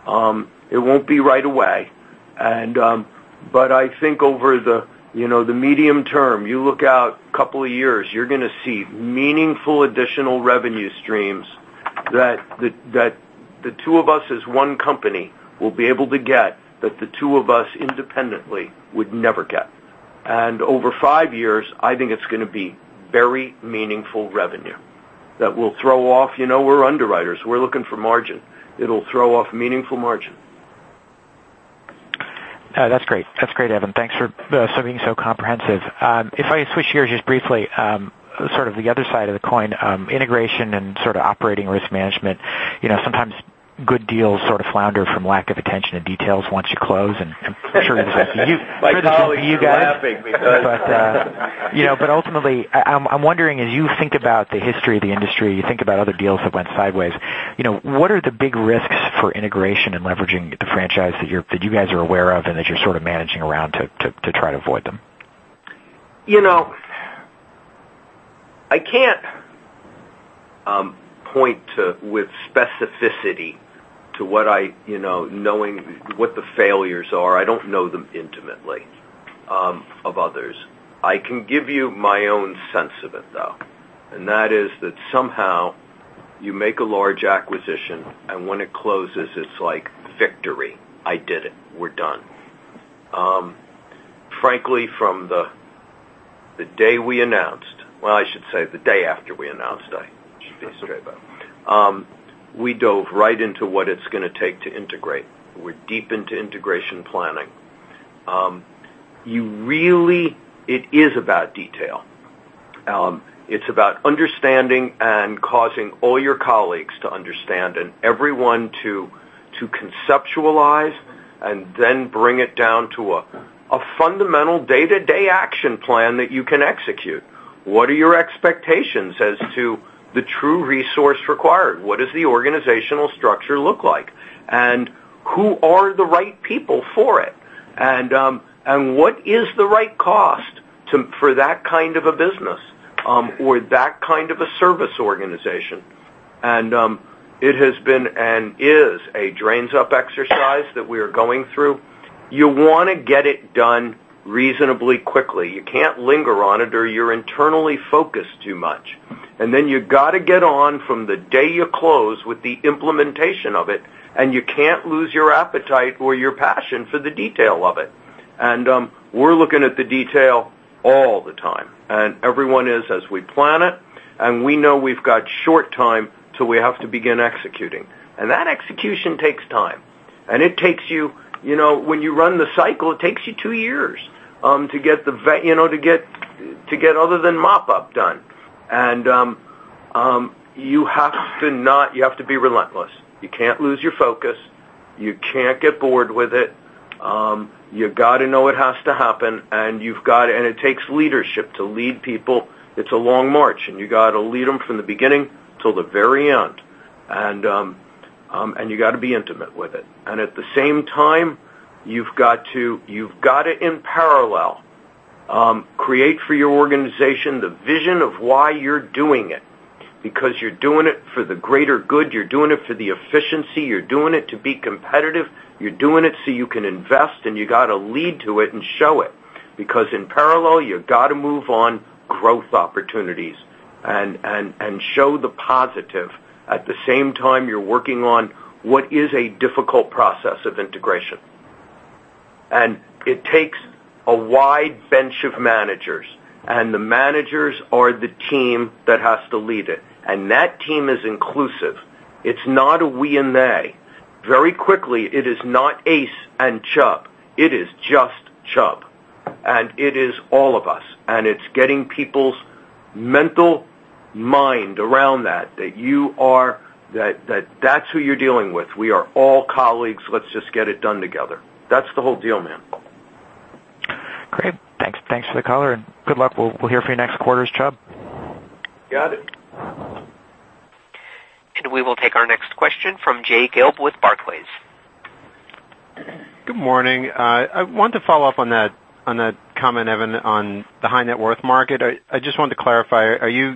It won't be right away. I think over the medium term, you look out a couple of years, you're going to see meaningful additional revenue streams that the two of us as one company will be able to get, that the two of us independently would never get. Over five years, I think it's going to be very meaningful revenue that will throw off. We're underwriters. We're looking for margin. It'll throw off meaningful margin. That's great, Evan. Thanks for being so comprehensive. If I switch gears just briefly, sort of the other side of the coin, integration and sort of operating risk management. Sometimes good deals sort of flounder from lack of attention to details once you close, and I'm sure it wasn't you guys. My colleague is laughing because. Ultimately, I'm wondering, as you think about the history of the industry, you think about other deals that went sideways, what are the big risks for integration and leveraging the franchise that you guys are aware of and that you're sort of managing around to try to avoid them? I can't point with specificity to knowing what the failures are. I don't know them intimately, of others. I can give you my own sense of it, though. That is that somehow you make a large acquisition, and when it closes, it's like, victory, I did it. We're done. Frankly, from the day we announced, well, I should say the day after we announced, we dove right into what it's going to take to integrate. We're deep into integration planning. It is about detail. It's about understanding and causing all your colleagues to understand and everyone to conceptualize and then bring it down to a fundamental day-to-day action plan that you can execute. What are your expectations as to the true resource required? What does the organizational structure look like? Who are the right people for it? What is the right cost for that kind of a business or that kind of a service organization? It has been and is a drains up exercise that we are going through. You want to get it done reasonably quickly. You can't linger on it or you're internally focused too much. Then you've got to get on from the day you close with the implementation of it, and you can't lose your appetite or your passion for the detail of it. We're looking at the detail all the time, and everyone is as we plan it, and we know we've got short time, so we have to begin executing. That execution takes time. When you run the cycle, it takes you 2 years to get other than mop up done. You have to be relentless. You can't lose your focus. You can't get bored with it. You've got to know it has to happen. It takes leadership to lead people. It's a long march, and you got to lead them from the beginning till the very end. You got to be intimate with it. At the same time, you've got to, in parallel, create for your organization the vision of why you're doing it, because you're doing it for the greater good, you're doing it for the efficiency, you're doing it to be competitive, you're doing it so you can invest, and you got to lead to it and show it. In parallel, you got to move on growth opportunities and show the positive. At the same time, you're working on what is a difficult process of integration. It takes a wide bench of managers, and the managers are the team that has to lead it. That team is inclusive. It's not a we and they. Very quickly, it is not ACE and Chubb. It is just Chubb. It is all of us. It's getting people's mental mind around that that's who you're dealing with. We are all colleagues. Let's just get it done together. That's the whole deal, man. Great. Thanks for the color, and good luck. We'll hear from you next quarters, Chubb. Got it. We will take our next question from Jay Gelb with Barclays. Good morning. I want to follow up on that comment, Evan, on the high net worth market. I just wanted to clarify, are you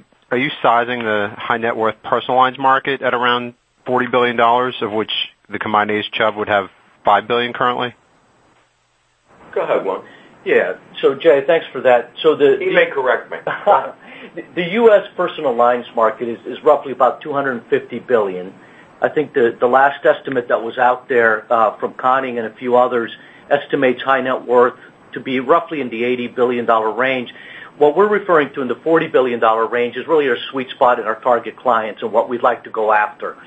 sizing the high net worth personal lines market at around $40 billion, of which the combined ACE Chubb would have $5 billion currently? Go ahead, Mark. Yeah. Jay, thanks for that. He may correct me. The U.S. personal lines market is roughly about $250 billion. I think the last estimate that was out there from Conning and a few others estimates high net worth to be roughly in the $80 billion range. What we're referring to in the $40 billion range is really our sweet spot in our target clients and what we'd like to go after.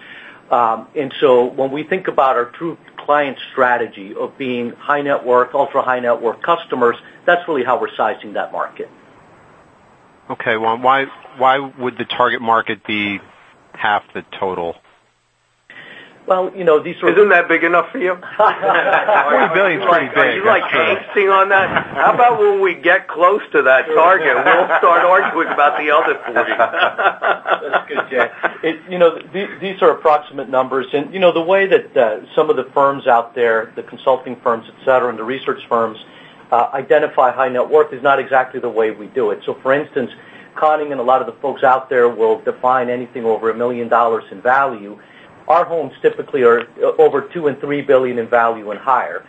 When we think about our true client strategy of being high net worth, ultra-high net worth customers, that's really how we're sizing that market. Okay. Why would the target market be half the total? Well, these Isn't that big enough for you? $40 billion is pretty big. You like teasing on that? How about when we get close to that target, we'll start arguing about the other $40. That's good, Jay. These are approximate numbers. The way that some of the firms out there, the consulting firms, et cetera, and the research firms identify high net worth is not exactly the way we do it. For instance, Conning and a lot of the folks out there will define anything over $1 million in value. Our homes typically are over $2 billion-$3 billion in value and higher.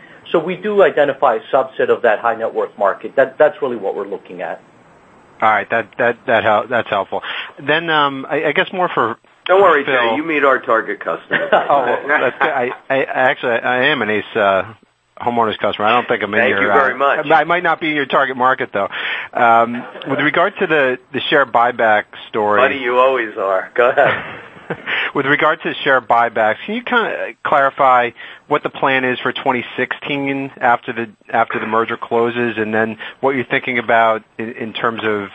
We do identify a subset of that high net worth market. That's really what we're looking at. All right. That's helpful. Don't worry, Jay, you meet our target customer. Oh. Actually, I am an ACE homeowners customer. Thank you very much. I might not be your target market, though. With regard to the share buyback story- Buddy, you always are. Go ahead. With regard to share buybacks, can you kind of clarify what the plan is for 2016 after the merger closes, and then what you're thinking about in terms of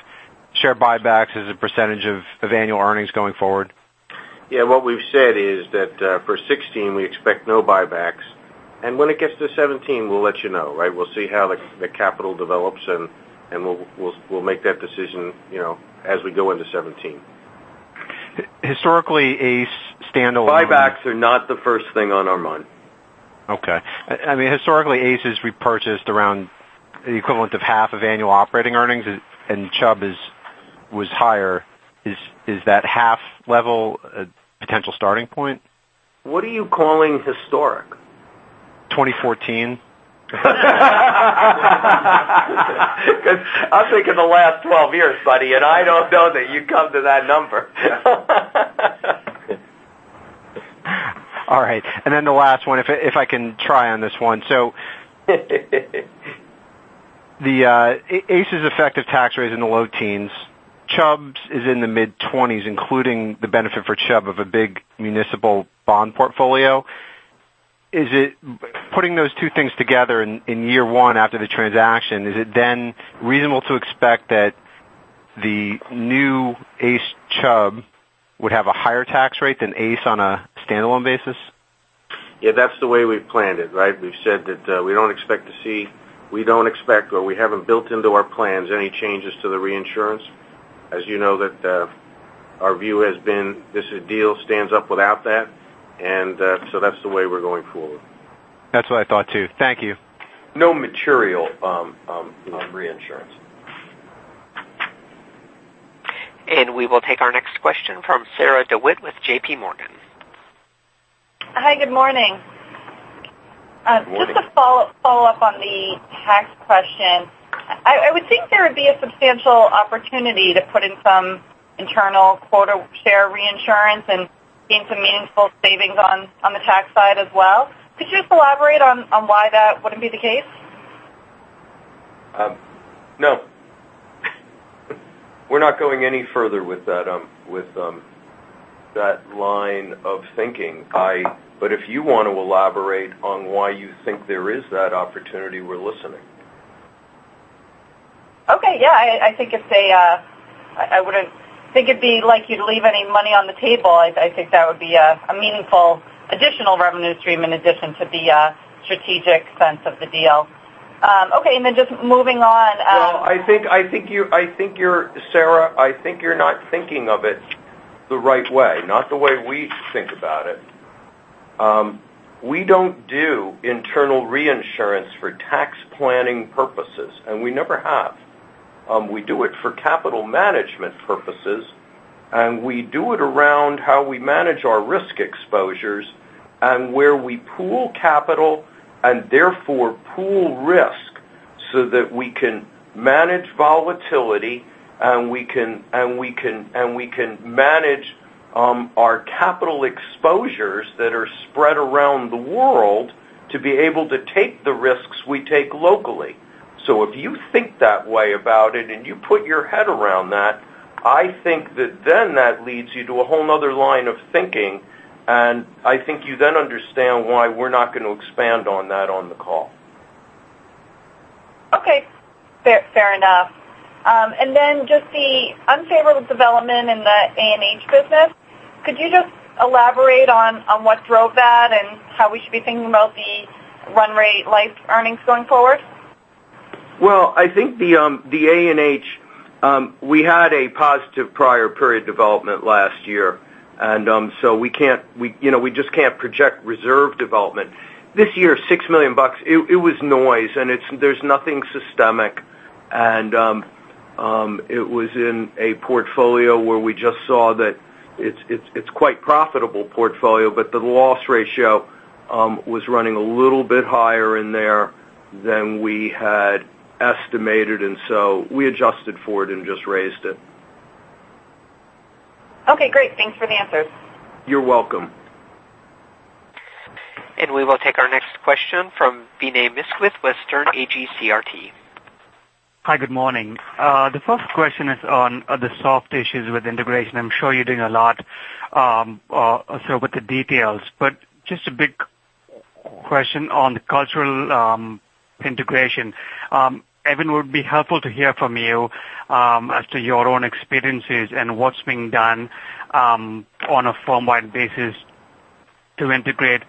share buybacks as a % of annual earnings going forward? Yeah. What we've said is that for 2016, we expect no buybacks. When it gets to 2017, we'll let you know, right? We'll see how the capital develops, and we'll make that decision as we go into 2017. Historically, ACE standalone- Buybacks are not the first thing on our mind. Okay. Historically, ACE has repurchased around the equivalent of half of annual operating earnings, and Chubb was higher. Is that half level a potential starting point? What are you calling historic? 2014. I'm thinking the last 12 years, buddy, I don't know that you'd come to that number. All right. The last one, if I can try on this one. ACE's effective tax rate in the low teens. Chubb's is in the mid-20s, including the benefit for Chubb of a big municipal bond portfolio. Putting those two things together in year one after the transaction, is it reasonable to expect that the new ACE Chubb would have a higher tax rate than ACE on a standalone basis? Yeah, that's the way we've planned it, right? We've said that we don't expect or we haven't built into our plans any changes to the reinsurance. As you know that our view has been this deal stands up without that. That's the way we're going forward. That's what I thought, too. Thank you. No material on reinsurance. We will take our next question from Sarah DeWitt with J.P. Morgan. Hi, good morning. Good morning. Just to follow up on the tax question. I would think there would be a substantial opportunity to put in some internal quota share reinsurance and gain some meaningful savings on the tax side as well. Could you elaborate on why that wouldn't be the case? No. We're not going any further with that line of thinking. If you want to elaborate on why you think there is that opportunity, we're listening. Okay. Yeah. I wouldn't think it'd be like you to leave any money on the table. I think that would be a meaningful additional revenue stream in addition to the strategic sense of the deal. Sarah, I think you're not thinking of it the right way, not the way we think about it. We don't do internal reinsurance for tax planning purposes, and we never have. We do it for capital management purposes, and we do it around how we manage our risk exposures and where we pool capital and therefore pool risk so that we can manage volatility and we can manage our capital exposures that are spread around the world to be able to take the risks we take locally. If you think that way about it and you put your head around that, I think that then that leads you to a whole other line of thinking, and I think you then understand why we're not going to expand on that on the call. Okay. Fair enough. Just the unfavorable development in the A&H business. Could you just elaborate on what drove that and how we should be thinking about the run rate life earnings going forward? Well, I think the A&H, we had a positive prior period development last year. We just can't project reserve development. This year, $6 million, it was noise, and there's nothing systemic. It was in a portfolio where we just saw that it's quite profitable portfolio, but the loss ratio was running a little bit higher in there than we had estimated, and so we adjusted for it and just raised it. Okay, great. Thanks for the answers. You're welcome. We will take our next question from Vinay Misquith with Sterne Agee CRT. Hi, good morning. The first question is on the soft issues with integration. I'm sure you're doing a lot with the details, but just a big question on the cultural integration. Evan, would it be helpful to hear from you as to your own experiences and what's being done on a firmwide basis to integrate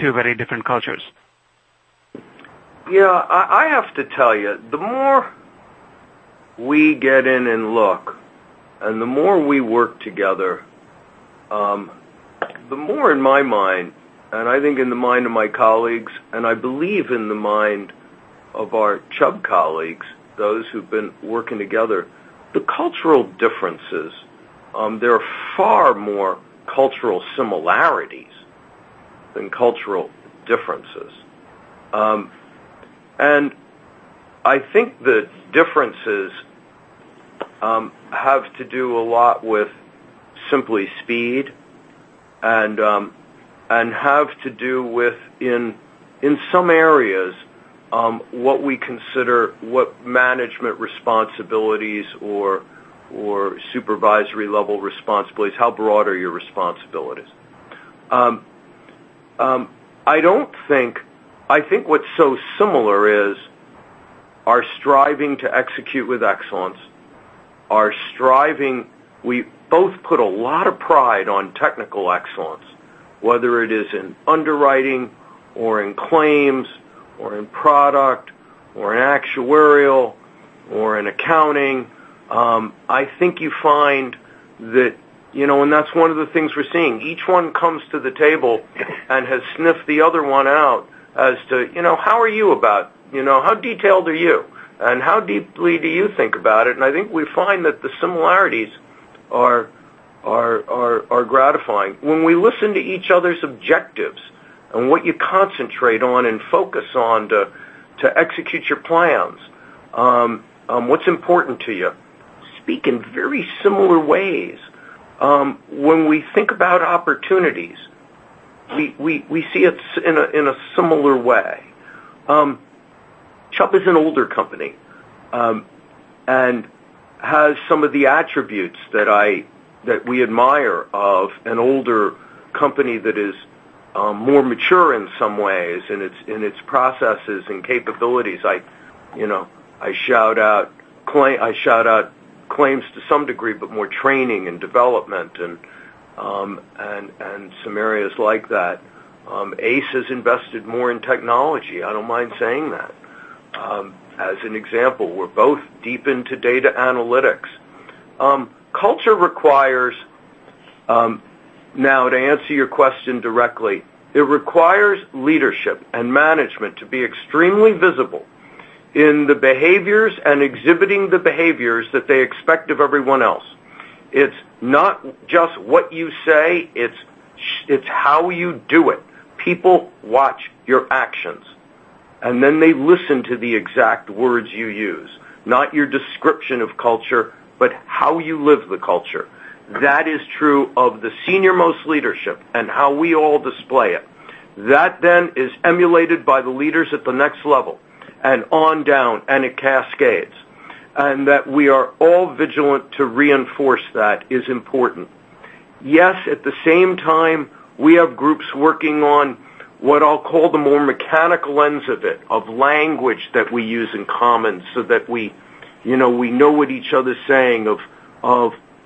two very different cultures? I have to tell you, the more we get in and look, the more we work together, the more in my mind, and I think in the mind of my colleagues, and I believe in the mind of our Chubb colleagues, those who've been working together, the cultural differences, there are far more cultural similarities than cultural differences. I think the differences have to do a lot with simply speed and have to do with, in some areas, what we consider what management responsibilities or supervisory level responsibilities, how broad are your responsibilities. I think what's so similar is our striving to execute with excellence. We both put a lot of pride on technical excellence, whether it is in underwriting or in claims or in product or in actuarial or in accounting. I think you find that's one of the things we're seeing. Each one comes to the table and has sniffed the other one out as to how are you about, how detailed are you, and how deeply do you think about it? I think we find that the similarities are gratifying. When we listen to each other's objectives and what you concentrate on and focus on to execute your plans, what's important to you, speak in very similar ways. When we think about opportunities, we see it in a similar way. Chubb is an older company and has some of the attributes that we admire of an older company that is more mature in some ways in its processes and capabilities. I shout out claims to some degree, but more training and development, and some areas like that. ACE has invested more in technology. I don't mind saying that. As an example, we're both deep into data analytics. Culture requires, now to answer your question directly, it requires leadership and management to be extremely visible in the behaviors and exhibiting the behaviors that they expect of everyone else. It's not just what you say, it's how you do it. People watch your actions, then they listen to the exact words you use, not your description of culture, but how you live the culture. That is true of the senior-most leadership and how we all display it. That then is emulated by the leaders at the next level and on down, and it cascades. That we are all vigilant to reinforce that is important. Yes, at the same time, we have groups working on what I'll call the more mechanical ends of it, of language that we use in common so that we know what each other's saying,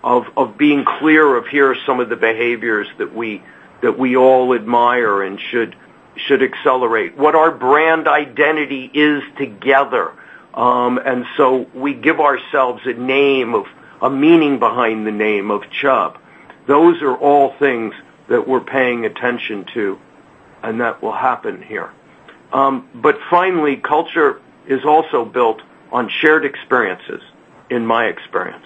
of being clear of here are some of the behaviors that we all admire and should accelerate. What our brand identity is together. We give ourselves a name of a meaning behind the name of Chubb. Those are all things that we're paying attention to, and that will happen here. Finally, culture is also built on shared experiences in my experience.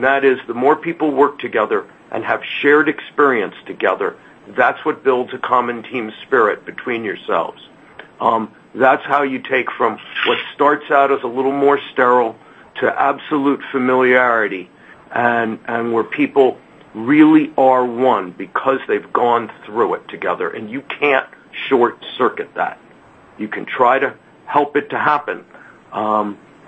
That is the more people work together and have shared experience together, that's what builds a common team spirit between yourselves. That's how you take from what starts out as a little more sterile to absolute familiarity and where people really are one because they've gone through it together, and you can't short-circuit that. You can try to help it to happen,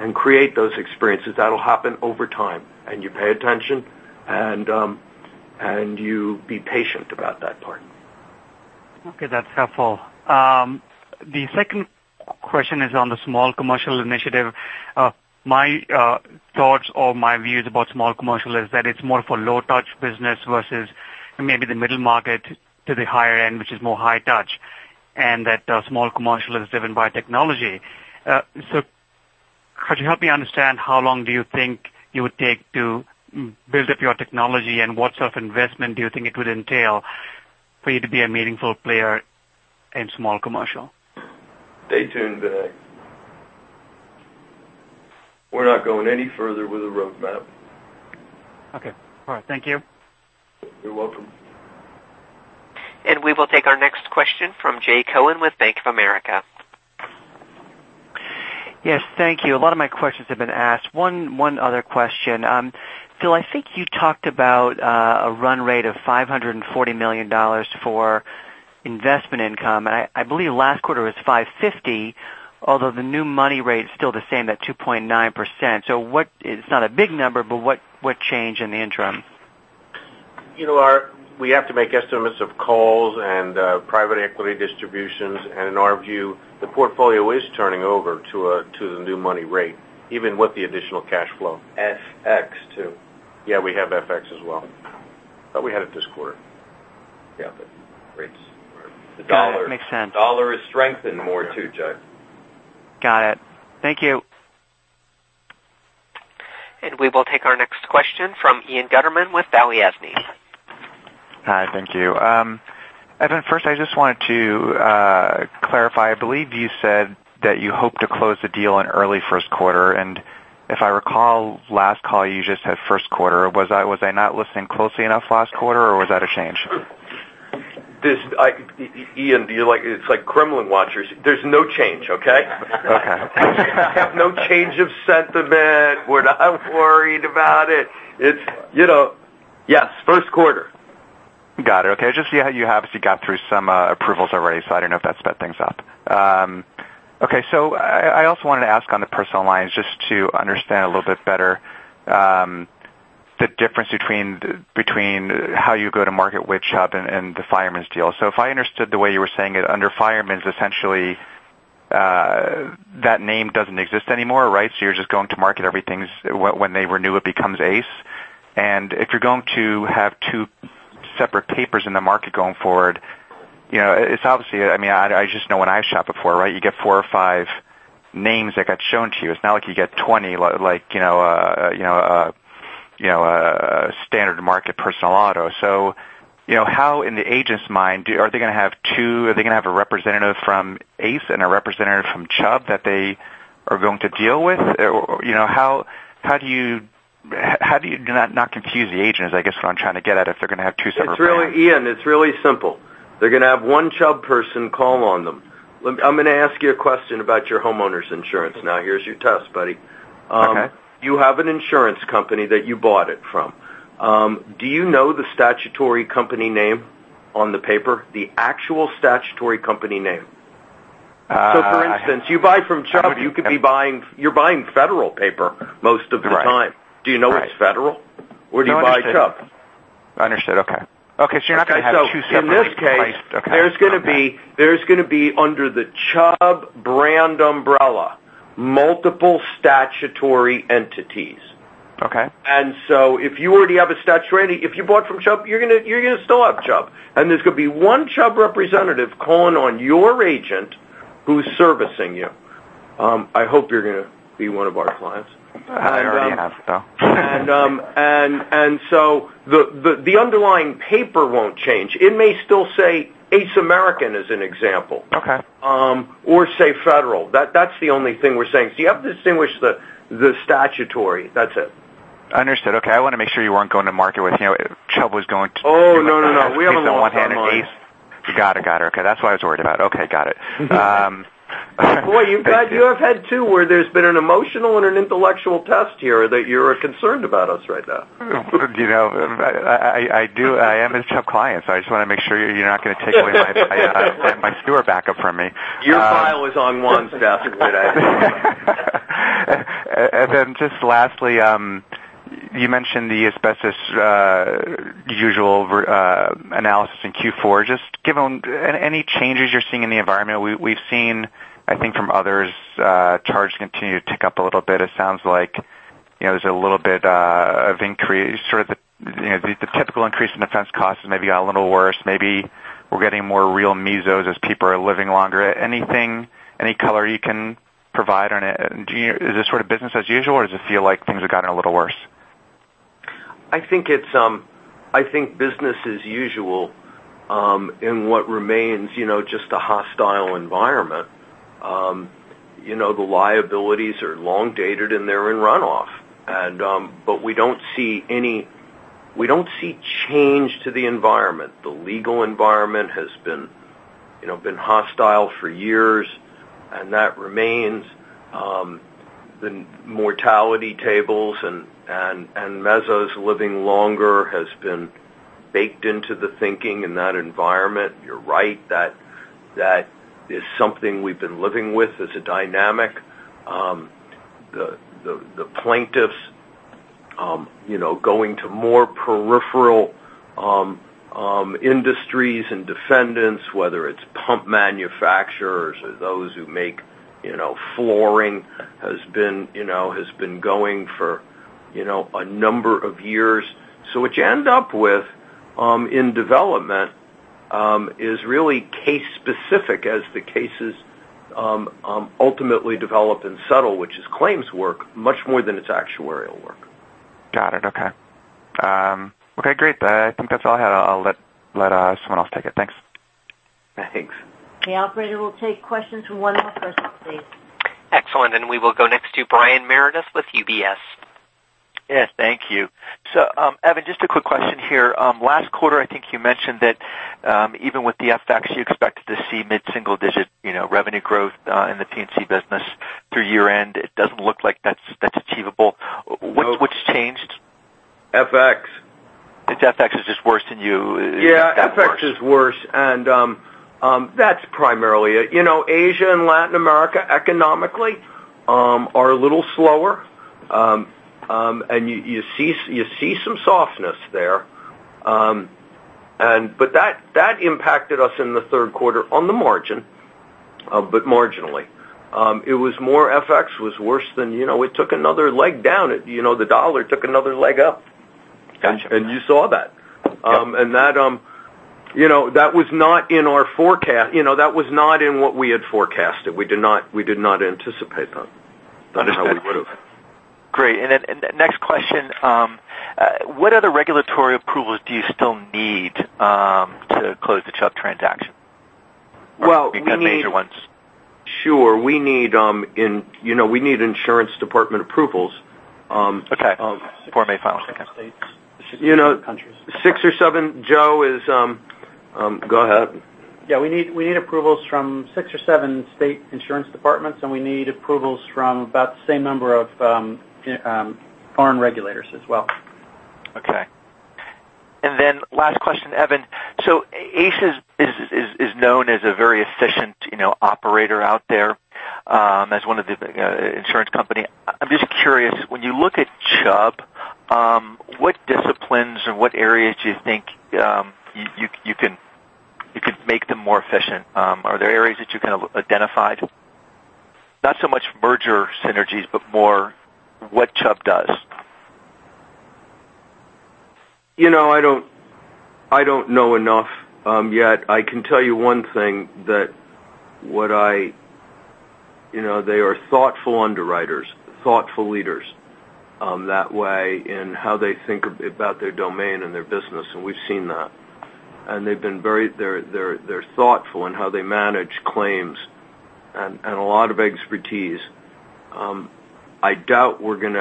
and create those experiences. That'll happen over time. You pay attention, and you be patient about that part. Okay, that's helpful. The second question is on the small commercial initiative. My thoughts or my views about small commercial is that it's more for low touch business versus maybe the middle market to the higher end, which is more high touch, and that small commercial is driven by technology. Could you help me understand how long do you think it would take to build up your technology, and what sort of investment do you think it would entail for you to be a meaningful player in small commercial? Stay tuned, Vinay. We're not going any further with a roadmap. Okay, all right. Thank you. You're welcome. We will take our next question from Jay Cohen with Bank of America. Yes, thank you. A lot of my questions have been asked. One other question. Phil, I think you talked about a run rate of $540 million for investment income. I believe last quarter was $550 million, although the new money rate is still the same at 2.9%. It's not a big number, but what changed in the interim? We have to make estimates of calls and private equity distributions, and in our view, the portfolio is turning over to the new money rate, even with the additional cash flow. FX too. Yeah, we have FX as well. We had it this quarter. Yeah, rates are- Got it. Makes sense. Dollar has strengthened more too, Jay. Got it. Thank you. We will take our next question from Ian Gutterman with Balyasny. Hi. Thank you. Evan, first, I just wanted to clarify. I believe you said that you hope to close the deal in early first quarter, and if I recall last call, you just said first quarter. Was I not listening closely enough last quarter, or was that a change? Ian, it's like Kremlin watchers. There's no change, okay? Okay. No change of sentiment. We're not worried about it. Yes, first quarter. Got it. Okay. Just see how you have obviously got through some approvals already, I don't know if that sped things up. Okay. I also wanted to ask on the personal lines, just to understand a little bit better the difference between how you go to market with Chubb and the Fireman's Fund. If I understood the way you were saying it, under Fireman's, essentially, that name doesn't exist anymore, right? You're just going to market everything. When they renew, it becomes ACE. If you're going to have two separate ACE Paper in the market going forward, I just know when I've shopped before, right? You get four or five names that get shown to you. It's not like you get 20 like a standard market personal auto. How in the agent's mind, are they going to have a representative from ACE and a representative from Chubb that they are going to deal with? How do you not confuse the agents, I guess, is what I'm trying to get at, if they're going to have two separate brands. Ian, it's really simple. They're going to have one Chubb person call on them. I'm going to ask you a question about your homeowner's insurance. Here's your test, buddy. Okay. You have an insurance company that you bought it from. Do you know the statutory company name on the paper, the actual statutory company name? For instance, you buy from Chubb, you're buying Federal paper most of the time. Right. Do you know it's Federal? Do you buy Chubb? Understood. Okay. Okay. You're not going to have two separate- In this case- Okay. There's going to be under the Chubb brand umbrella, multiple statutory entities. Okay. If you already have a statutory, if you bought from Chubb, you're going to still have Chubb, and there's going to be one Chubb representative calling on your agent who's servicing you. I hope you're going to be one of our clients. I already am, so. The underlying paper won't change. It may still say ACE American as an example. Okay. Say Federal. That's the only thing we're saying. You have to distinguish the statutory. That's it. Understood. Okay. I wanted to make sure you weren't going to market with Chubb. Oh, no. We haven't lost our minds. Got it. Okay. That's what I was worried about. Okay. Got it. Boy, you have had two where there's been an emotional and an intellectual test here that you're concerned about us right now. I am a Chubb client, I just want to make sure you're not going to take away my sewer backup from me. Your file is on Juan's desk today. Evan, just lastly, you mentioned the asbestos usual analysis in Q4. Just given any changes you're seeing in the environment. We've seen, I think, from others charges continue to tick up a little bit. It sounds like there's a little bit of the typical increase in defense costs and maybe a little worse. Maybe we're getting more real mesos as people are living longer. Any color you can provide on it? Is this sort of business as usual, or does it feel like things have gotten a little worse? I think business as usual in what remains just a hostile environment. The liabilities are long dated and they're in runoff. We don't see change to the environment. The legal environment has been hostile for years, and that remains. The mortality tables and mesos living longer has been baked into the thinking in that environment. You're right. That is something we've been living with as a dynamic. The plaintiffs going to more peripheral industries and defendants, whether it's pump manufacturers or those who make flooring, has been going for a number of years. What you end up with in development is really case specific as the cases ultimately develop and settle, which is claims work much more than it's actuarial work. Got it. Okay. Great. I think that's all I had. I'll let someone else take it. Thanks. Thanks. The operator will take questions from one other person, please. Excellent, we will go next to Brian Meredith with UBS. Yes, thank you. Evan, just a quick question here. Last quarter, I think you mentioned that even with the FX, you expected to see mid-single digit revenue growth in the P&C business through year-end. It doesn't look like that's achievable. What's changed? FX. It's FX is just worse than you- Yeah. -thought it was. FX is worse and that's primarily it. Asia and Latin America economically are a little slower. You see some softness there, but that impacted us in the third quarter on the margin, but marginally. It was more FX was worse than It took another leg down. The dollar took another leg up. Got you. You saw that. Yep. That was not in what we had forecasted. We did not anticipate that. Understood. Not that we would've. Great, next question. What other regulatory approvals do you still need to close the Chubb transaction? Well, Any major ones? Sure. We need insurance department approvals. Okay. Form A files. Okay. Six or seven states. Six or seven countries. Six or seven. Joe. Go ahead. We need approvals from six or seven state insurance departments, and we need approvals from about the same number of foreign regulators as well. Okay. Last question, Evan. ACE is known as a very efficient operator out there as one of the insurance company. I'm just curious, when you look at Chubb, what disciplines or what areas do you think you could make them more efficient? Are there areas that you kind of identified? Not so much merger synergies, but more what Chubb does. I don't know enough yet. I can tell you one thing, that they are thoughtful underwriters, thoughtful leaders that way in how they think about their domain and their business, and we've seen that. They're thoughtful in how they manage claims and a lot of expertise. I doubt we're going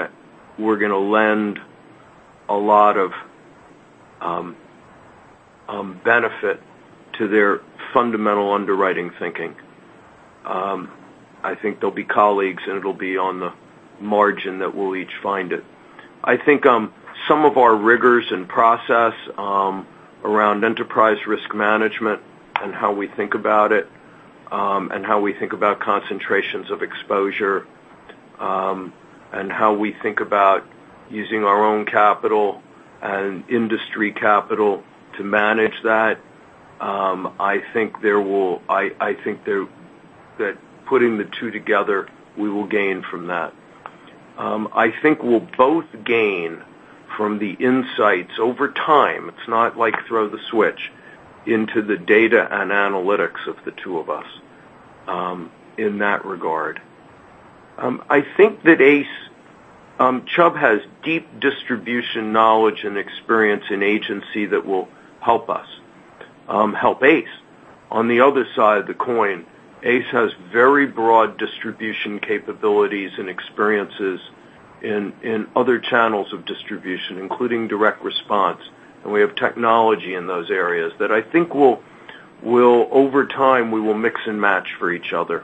to lend a lot of benefit to their fundamental underwriting thinking. I think they'll be colleagues, and it'll be on the margin that we'll each find it. I think some of our rigors and process around enterprise risk management and how we think about it, and how we think about concentrations of exposure, and how we think about using our own capital and industry capital to manage that, I think that putting the two together, we will gain from that. I think we'll both gain from the insights over time, it's not like throw the switch, into the data and analytics of the two of us in that regard. I think that Chubb has deep distribution knowledge and experience in agency that will help us, help ACE. On the other side of the coin, ACE has very broad distribution capabilities and experiences in other channels of distribution, including direct response. We have technology in those areas that I think over time, we will mix and match for each other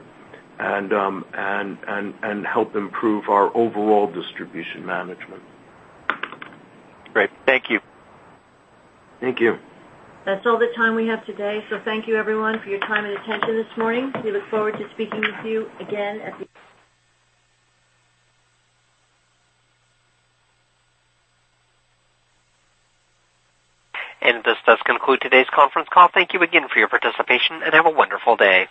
and help improve our overall distribution management. Great. Thank you. Thank you. That's all the time we have today. Thank you everyone for your time and attention this morning. This does conclude today's conference call. Thank you again for your participation, and have a wonderful day.